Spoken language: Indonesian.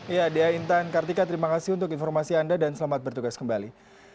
ya dea intan kartika terima kasih untuk informasi anda dan selamat bertugas kembali